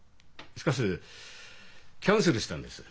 しかしキャンセルしたんです。